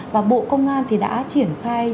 và bộ công an thì đã triển khai